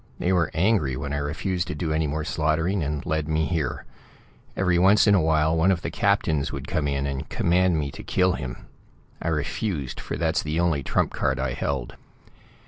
They were angry when I refused to do any more slaughtering, and led me here. Every once in a while one of the captains would come in and command me to kill him. I refused, for that's the only trump card I held.